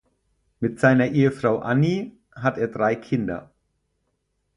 Mit seiner Ehefrau Annie hat er drei Kinder.